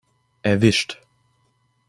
Erwischt!